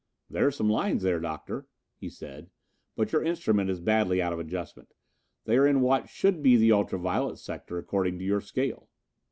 "There are some lines there, Doctor," he said, "but your instrument is badly out of adjustment. They are in what should be the ultra violet sector, according to your scale."